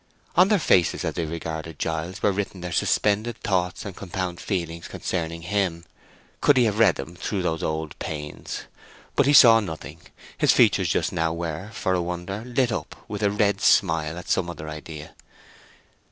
On their faces as they regarded Giles were written their suspended thoughts and compound feelings concerning him, could he have read them through those old panes. But he saw nothing: his features just now were, for a wonder, lit up with a red smile at some other idea.